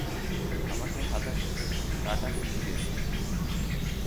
আমাকে হাতে কাঁটা ফুঁকেছে!